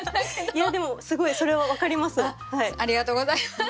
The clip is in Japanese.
いやでもすごいそれは分かります。